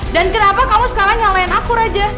dan kenapa kamu sekarang nyalahin aku raja